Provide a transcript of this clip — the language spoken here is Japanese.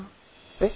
えっ。